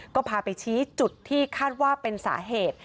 ก็พาไปชี้จุดที่คาดว่าเป็นสาเหตุ